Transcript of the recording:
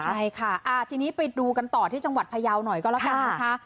ใช่ค่ะทีนี้ไปดูกันต่อที่จังหวัดพยาวหน่อยก็แล้วกันนะคะ